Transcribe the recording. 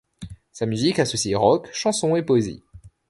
Sa musique associe rock, chanson et poésie.